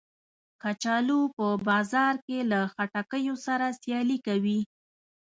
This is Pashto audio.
کچالو په بازار کې له خټکیو سره سیالي کوي